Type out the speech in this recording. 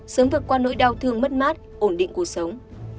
sớm vượt qua nỗi đau thương mất mát ổn định cuộc sống